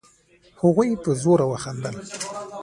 هغوی په زوره خندل.